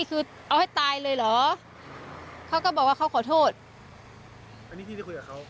คือเอาให้ตายเลยเหรอเขาก็บอกว่าเขาขอโทษอันนี้พี่ได้คุยกับเขา